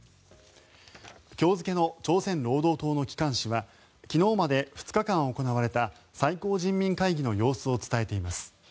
今日付の朝鮮労働党の機関紙は昨日まで２日間行われた最高人民会議の様子を伝えています。